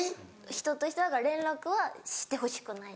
人と人だから連絡はしてほしくないです。